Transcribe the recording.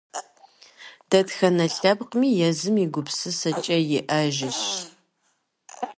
Дэтхэнэ лъэпкъми езым и гупсысэкӏэ иӏэжщ.